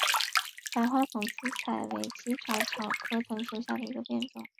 白花蓬子菜为茜草科拉拉藤属下的一个变种。